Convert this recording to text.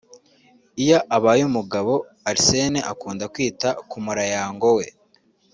Iyo abaye umugabo Arsène akunda kwita ku murayango we